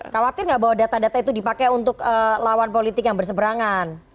khawatir nggak bahwa data data itu dipakai untuk lawan politik yang berseberangan